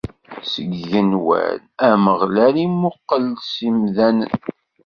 Seg yigenwan, Ameɣlal imuqqel-d s imdanen.